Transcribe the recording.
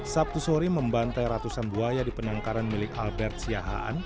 sabtu sore membantai ratusan buaya di penangkaran milik albert siahaan